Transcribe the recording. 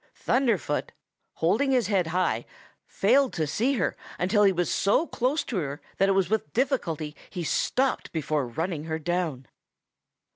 Thunderfoot, holding his head high, failed to see her until he was so close to her that it was with difficulty he stopped before running her down.